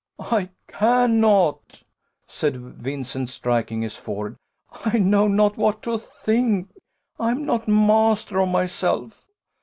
"I cannot," said Vincent, striking his forehead; "I know not what to think I am not master of myself.